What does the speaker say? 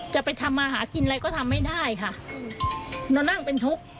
จะไปทำมาหากินอะไรก็ทำไม่ได้ค่ะเรานั่งเป็นทุกข์